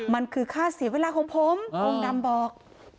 มันคือค่าเสียเวลาของผมองค์ดำบอก